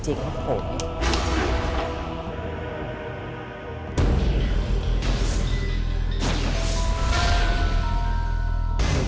จริงครับผม